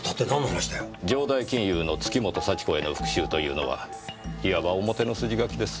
城代金融の月本幸子への復讐というのはいわば表の筋書きです。